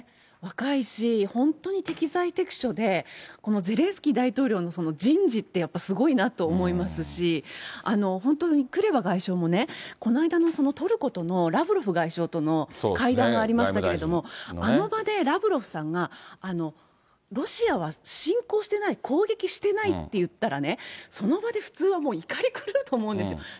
若いし、本当に適材適所で、このゼレンスキー大統領の人事ってやっぱりすごいなって思いますし、本当にクレバ外相もこの間のトルコとのラブロフ外相との会談ありましたけれども、あの場でラブロフさんが、ロシアは侵攻してない、攻撃してないって言ったらね、その場で普通はもう怒り狂うと思うんですよ。